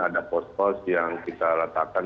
ada post post yang kita letakkan